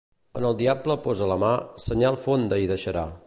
On el diable posa la mà, senyal fonda hi deixarà.